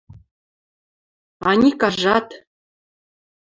Аникажат!